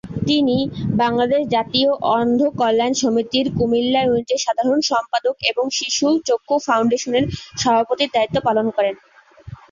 তিনি বাংলাদেশ জাতীয় অন্ধ কল্যাণ সমিতির কুমিল্লা ইউনিটের সাধারণ সম্পাদক এবং শিশু চক্ষু ফাউন্ডেশনের সভাপতির দায়িত্ব পালন করেন।